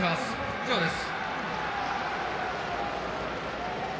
以上です。